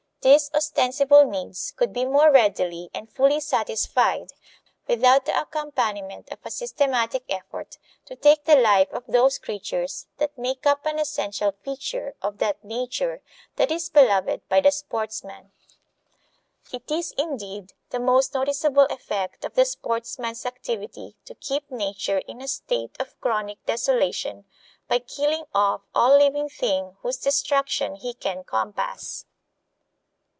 These ostensible needs could be more readily and fully satisfied without the accompaniment of a systematic effort to take the life of those creatures that make up an essential feature of that "nature" that is beloved by the sportsman. It is, indeed, the most noticeable effect of the sportsman's activity to keep nature in a state of chronic desolation by killing off all living thing whose destruction he can compass.